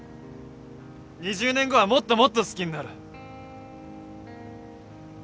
２０年後はもっともっと好きになる。